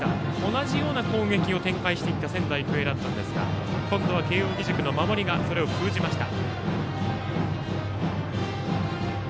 同じような攻撃を展開していった仙台育英だったんですが今度は慶応義塾の守りがそれを封じました。